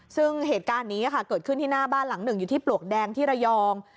ซึ่งเหตุการณ์นี้เกิดขึ้นที่หน้าบ้านหลังหนึ่งอยู่ที่ปลวกแดงที่ระยอง